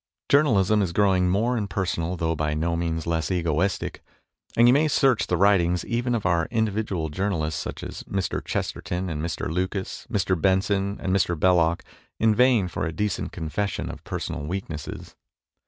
Journalism is growing more impersonal, though by no means less egoistic, and you may search the writings even of our individual journalists, such as Mr. Chesterton and Mr. Lucas, Mr. Benson and Mr. Belloc, in vain for a decent confession of personal weaknesses.